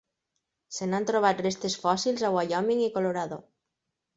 Se n'han trobat restes fòssils a Wyoming i Colorado.